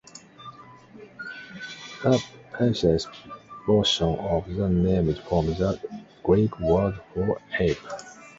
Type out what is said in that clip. The "pithecus" portion of the name is from the Greek word for "ape".